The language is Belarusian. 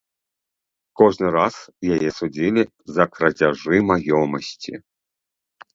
Кожны раз яе судзілі за крадзяжы маёмасці.